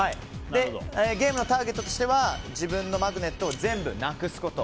ゲームのターゲットとしては自分のマグネットを全部なくすこと。